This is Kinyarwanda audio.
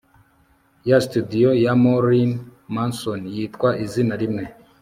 ya studio ya Marilyn Manson yitwa izina rimwe